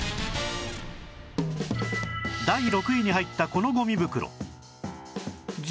第６位に入ったこのゴミ袋